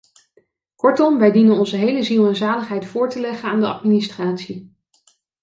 Kortom wij dienen onze hele ziel en zaligheid voor te leggen aan de administratie.